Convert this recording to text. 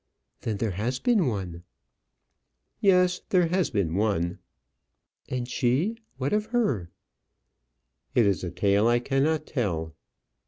Then there has been one." "Yes; there has been one." "And she what of her?" "It is a tale I cannot tell."